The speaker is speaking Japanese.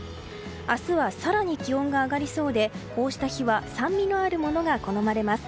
明日は更に気温が上がりそうでこうした日は酸味のあるものが好まれます。